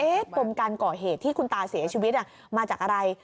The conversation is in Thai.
ปมการก่อเหตุที่คุณตาเสียชีวิตมาจากอะไร